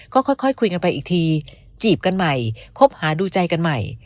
ก็ค่อยคุยกันไปอีกทีจีบกันใหม่คบหาดูใจกันใหม่